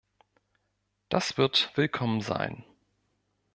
Das wird willkommen sein.